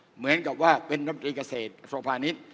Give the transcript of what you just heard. เหมือนกับว่าเป็นรัฐมนตรีเกษตรโสภาณิชย์